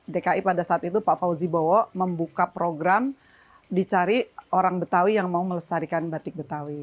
dki pada saat itu pak fauzi bowo membuka program dicari orang betawi yang mau melestarikan batik betawi